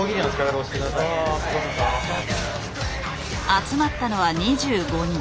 集まったのは２５人。